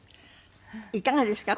いかがですか？